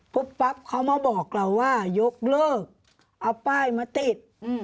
ปั๊บเขามาบอกเราว่ายกเลิกเอาป้ายมาติด